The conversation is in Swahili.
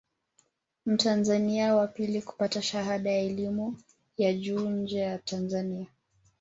Mtanzania wa pili kupata shahada ya elimu ya juu nje ya Tanzania